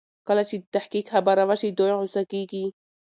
کله چې د تحقيق خبره وشي دوی غوسه کوي.